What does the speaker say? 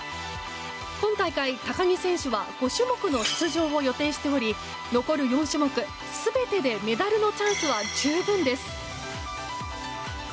今大会、高木選手は５種目の出場を予定しており残る４種目全てでメダルのチャンスは十分です。